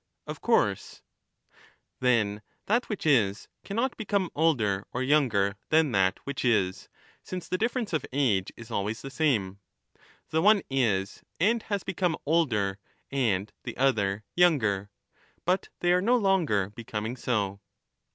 Of course. Then that which is, cannot become older or younger than that which is, since the difference of age is always the same ; the one is and has become older and the other younger ; but they are no longer becoming so.